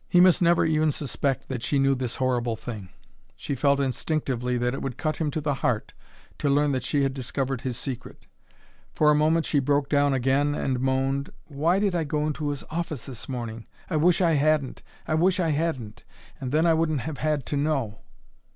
He must never even suspect that she knew this horrible thing; she felt instinctively that it would cut him to the heart to learn that she had discovered his secret. For a moment she broke down again and moaned, "Why did I go into his office this morning! I wish I hadn't, I wish I hadn't! And then I wouldn't have had to know!"